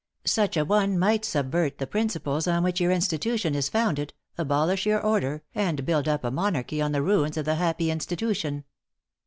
Such a one might subvert the principles on which your institution is founded, abolish your order, and build up a monarchy on the ruins of the happy institution.